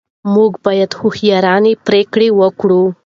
موږ باید هوښیارانه پرېکړې وکړو.